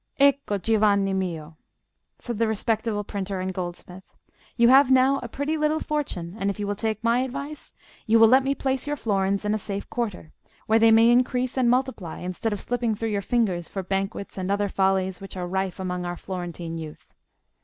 "Ecco, giovane mio!" said the respectable printer and goldsmith, "you have now a pretty little fortune; and if you will take my advice, you will let me place your florins in a safe quarter, where they may increase and multiply, instead of slipping through your fingers for banquets and other follies which are rife among our Florentine youth.